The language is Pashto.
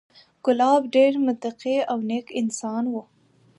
کلاب ډېر متقي او نېک انسان و،